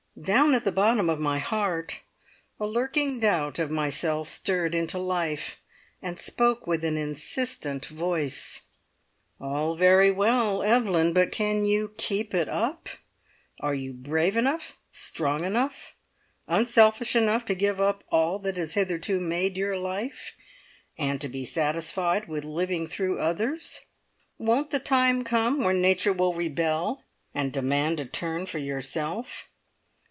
Down at the bottom of my heart, a lurking doubt of myself stirred into life, and spoke with insistent voice: "All very well, Evelyn, but can you keep it up? Are you brave enough, strong enough, unselfish enough to give up all that has hitherto made your life, and to be satisfied with living through others? Won't the time come when nature will rebel, and demand a turn for yourself?